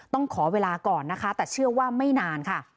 ต้องขอเวลาก่อนนะคะแต่เชื่อว่าไม่นานค่ะ